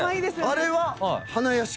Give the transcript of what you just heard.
あれは。